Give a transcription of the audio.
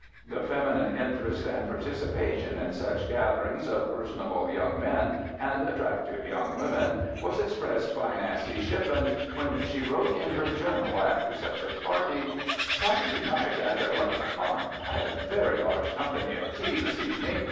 " The feminine interest and participation in such gatherings of personable young men and attractive young women was expressed by Nancy Shippen when she wrote in her journal after such a party: "Saturday night at 11 o'clock. I had a very large company at Tea this Evening.